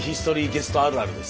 ゲストあるあるです。